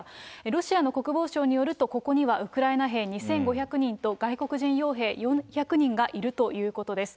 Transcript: ロシアの国防省によると、ここにはウクライナ兵２５００人と外国人よう兵４００人がいるということです。